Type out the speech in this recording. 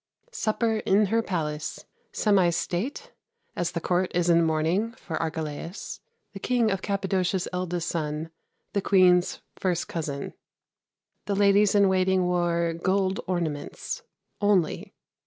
Supper in her palace. Semi state, as the court is in mourning for Archilaus, the King of Cappadocia's eldest son, the Queen's first cousin. The ladies in waiting wore gold ornaments only.